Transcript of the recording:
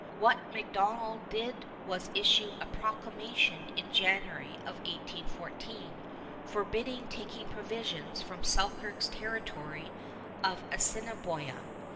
What MacDonell did was issue a proclamation in January of 1814, forbidding taking provisions from Selkirk's territory of Assiniboia.